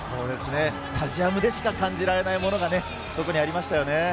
スタジアムでしか感じられないものがありましたよね。